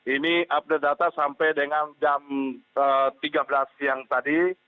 ini update data sampai dengan jam tiga belas siang tadi